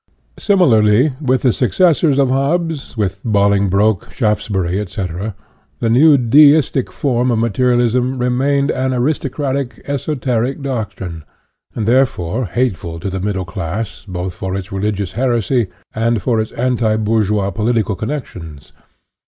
Similarly, with the successors of Hobbes, with Bolingbroke, Shaftesbury, etc., the new deistic form of materialism remained an aristocratic, esoteric doctrine, and, therefore, hateful to the middle class both for its religious heresy and for its anti bourgeois political connections.